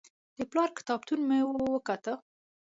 د پلار کتابتون مو وکت.